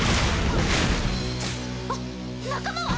あっ仲間は？